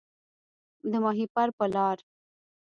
د ماهیپر په لار